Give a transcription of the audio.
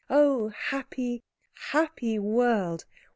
Oh happy, happy world!